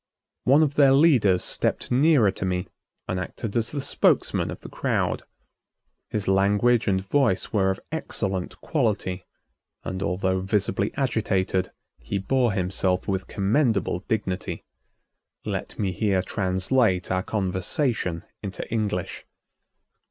One of their leaders stepped nearer to me and acted as the spokesman of the crowd. His language and voice were of excellent quality and although visibly agitated, he bore himself with commendable dignity. Let me here translate our conversation into English.